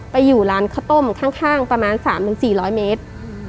อยู่ร้านข้าวต้มข้างประมาณ๓๔๐๐เมตร